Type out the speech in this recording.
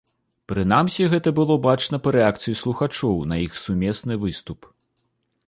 Прынамсі, гэта было бачна па рэакцыі слухачоў на іх сумесны выступ.